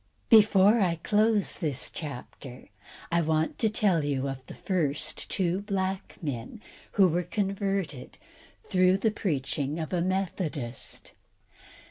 Before I close this chapter I want to tell you of the first two black men who were converted through the preaching of a Methodist.